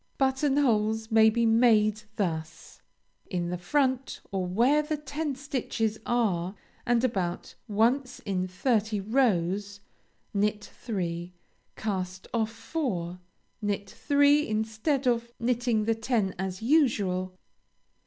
Button holes may be made thus: in the front or where the ten stitches are, and about once in thirty rows, knit three; cast off four; knit three instead of knitting the ten as usual.